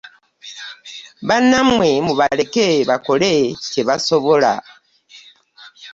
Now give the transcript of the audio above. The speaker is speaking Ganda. Bannammwe mubaleke bakole kye basobola.